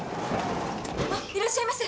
あっいらっしゃいませ。